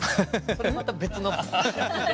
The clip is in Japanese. それまた別の。